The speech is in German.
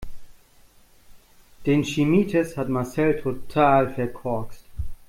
Den Chemietest hat Marcel total verkorkst.